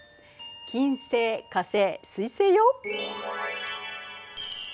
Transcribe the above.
金星火星水星よ。